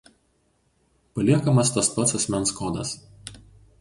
paliekamas tas pats asmens kodas